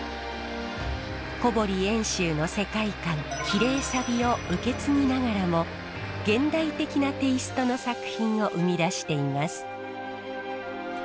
小堀遠州の世界観きれいさびを受け継ぎながらも現代的なテイストの作品を生み出しています。